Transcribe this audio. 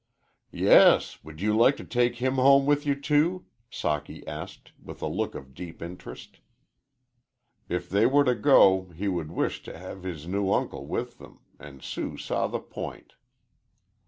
"Yes; would you like to take him home with you, too?" Socky asked, with a look of deep interest. If they were to go he would wish to have his new uncle with them, and Sue saw the point.